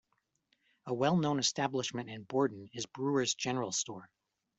A well known establishment in Borden is Brewer's General Store.